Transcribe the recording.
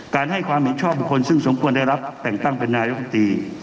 ให้ความเห็นชอบบุคคลซึ่งสมควรได้รับแต่งตั้งเป็นนายกรรมตรี